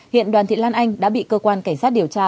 hiện đoàn thị lan anh đã bị cơ quan cảnh sát điều tra